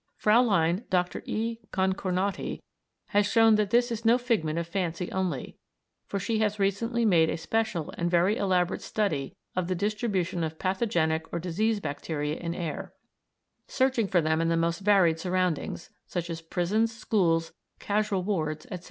Fräulein Dr. E. Concornotti has shown that this is no figment of fancy only, for she has recently made a special and very elaborate study of the distribution of pathogenic or disease bacteria in air, searching for them in the most varied surroundings, such as prisons, schools, casual wards, etc.